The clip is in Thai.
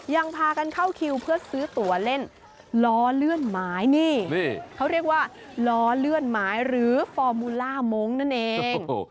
ยังพากันเข้าคิวเพื่อซื้อตัวเล่นล้อเลื่อนหมายนี่เขาเรียกว่าล้อเลื่อนหมายหรือฟอร์มูล่ามงค์นั่นเอง